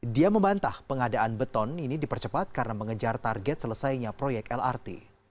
dia membantah pengadaan beton ini dipercepat karena mengejar target selesainya proyek lrt